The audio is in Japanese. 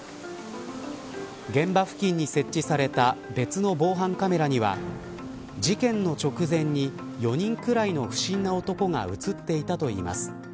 現場付近に設置された別の防犯カメラには事件の直前に４人くらいの不審な男が映っていたといいます。